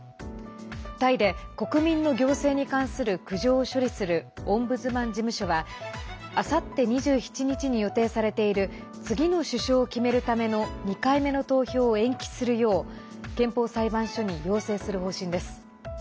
タイで国民の行政に関する苦情を処理するオンブズマン事務所はあさって２７日に予定されている次の首相を決めるための２回目の投票を延期するよう憲法裁判所に要請する方針です。